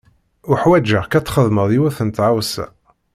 Uḥwaǧeɣ-k ad txedmeḍ yiwet n tɣawsa.